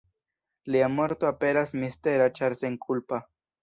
Lia morto aperas mistera ĉar senkulpa.